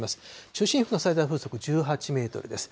中心付近の最大風速１８メートルです。